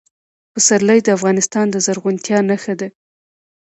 پسرلی د افغانستان د زرغونتیا نښه ده.